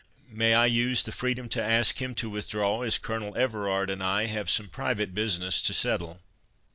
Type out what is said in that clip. May I use the freedom to ask him to withdraw, as Colonel Everard and I have some private business to settle?"